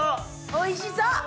おいしそう！